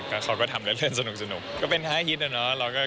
เขาก็ทำเล่นสนุกก็เป็นท้ายฮิตนะเนาะ